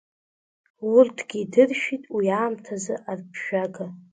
Урҭгьы идыршәит уи аамҭазы арԥжәага.